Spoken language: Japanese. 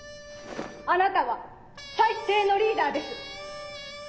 「あなたは最低のリーダーです！」